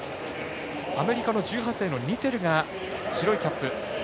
アメリカの１８歳のニツェルが白いキャップ。